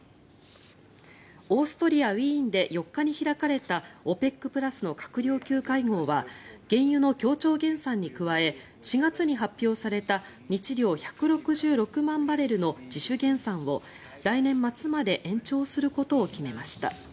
オーストリア・ウィーンで４日に開かれたＯＰＥＣプラスの閣僚級会合は原油の協調減産に加え４月に発表された日量１６６万バレルの自主減産を来年末まで延長することを決めました。